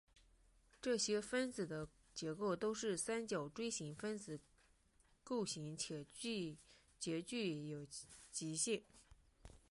这些分子的结构都是三角锥形分子构型且皆具有极性。